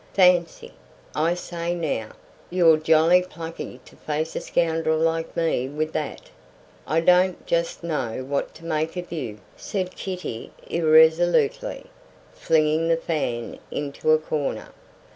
"Fancy! I say, now, you're jolly plucky to face a scoundrel like me with that." "I don't just know what to make of you," said Kitty, irresolutely, flinging the fan into a corner.